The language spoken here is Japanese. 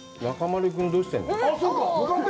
中丸君、どうしてるの？